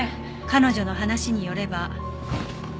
「彼女の話によれば」